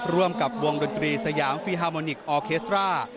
ร่วมกับวงดนตรีสยามฟีฮาโมนิคอเคสตรา